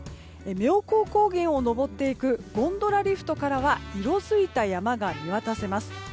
妙高高原を登っていくゴンドラリフトからは色づいた山が見渡せます。